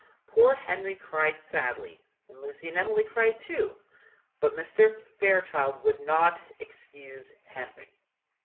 Poor Henry cried sadly, and Lucy and Emily cried too; but Mr. Fairchild would not excuse Henry.